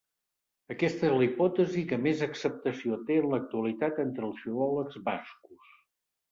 Aquesta és la hipòtesi que més acceptació té en l'actualitat entre els filòlegs bascos.